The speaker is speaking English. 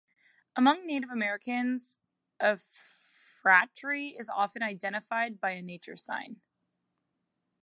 Among Native Americans, a phratry is often identified by a nature sign.